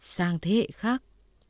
sang thế hệ khác